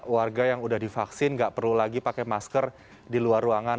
warga yang sudah divaksin nggak perlu lagi pakai masker di luar ruangan